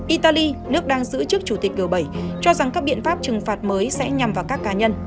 italy nước đang giữ chức chủ tịch g bảy cho rằng các biện pháp trừng phạt mới sẽ nhằm vào các cá nhân